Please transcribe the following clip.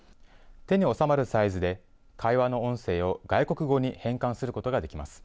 手に収まるサイズで、会話の音声を外国語に変換することができます。